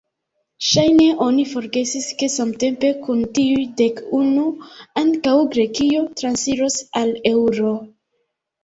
Ŝajne oni forgesis ke samtempe kun tiuj dek unu, ankaŭ Grekio transiros al eŭro.